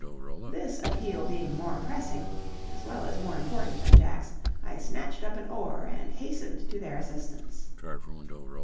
This appeal being more pressing, as well as more important than Jack's, I snatched up an oar and hastened to their assistance.